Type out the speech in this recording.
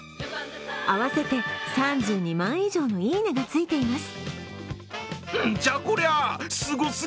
合わせて３２万以上の「いいね」がついています。